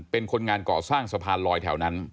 เป็นคนงานก่อสร้างสะพานลอยแถวนั้น